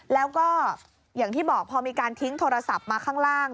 แล้วก็อย่างที่บอกพอมีการทิ้งโทรศัพท์มาข้างล่าง